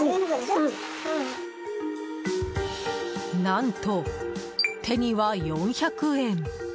何と、手には４００円。